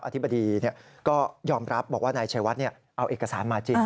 อธิบดีก็ยอมรับบอกว่านายชัยวัดเอาเอกสารมาจริง